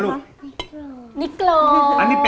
อันนี้คืออันนี้คือ